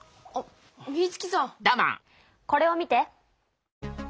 これを見て。